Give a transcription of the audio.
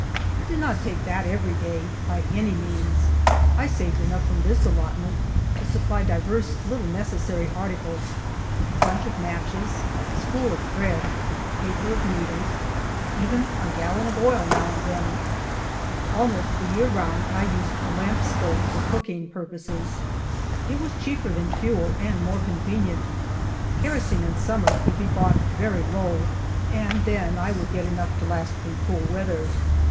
It did not take that every day, by any means. I saved enough from this allotment to supply divers little necessary articles— a bunch of matches, spool ot thread, paper of needles — even a gallon of oil now and then. Almost the year round I used a lamp stove for cooking purposes ; it was cheaper than fuel, and more convenient. Kerosene in summer could be bought very low, and then I would get enough to last through cool weather.